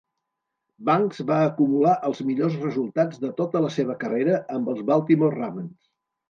Banks va acumular els millors resultats de tota la seva carrera amb els Baltimore Ravens.